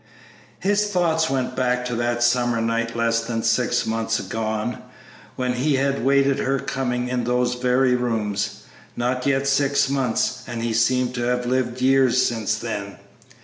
His thoughts went back to that summer night less than six months gone, when he had waited her coming in those very rooms. Not yet six months, and he seemed to have lived years since then!